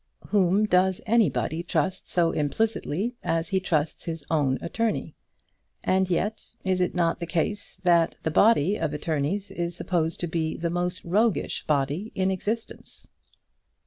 Whom does anybody trust so implicitly as he trusts his own attorney? And yet is it not the case that the body of attorneys is supposed to be the most roguish body in existence?